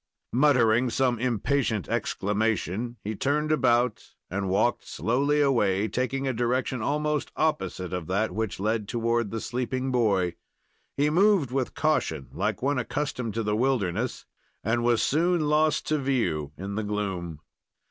Muttering some impatient exclamation, he turned about and walked slowly away, taking a direction almost the opposite of that which led toward the sleeping boy. He moved with caution, like one accustomed to the wilderness, and was soon lost to view in the gloom.